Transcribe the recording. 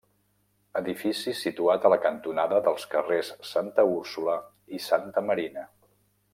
Edifici situat a la cantonada dels carrers Santa Úrsula i Santa Marina.